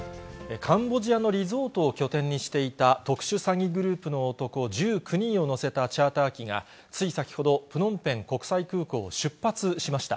カンボジアのリゾートを拠点にしていた特殊詐欺グループの男１９人を乗せたチャーター機が、つい先ほど、プノンペン国際空港を出発しました。